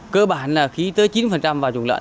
cơ bản là khí tới chín vào chủng lợn